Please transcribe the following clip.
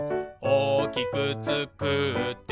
「おおきくつくって」